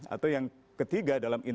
atau yang ketiga